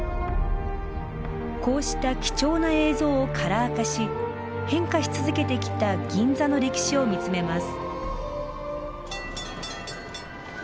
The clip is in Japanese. こうした貴重な映像をカラー化し変化し続けてきた銀座の歴史を見つめます。